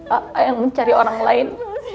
apa yang mencari orang lain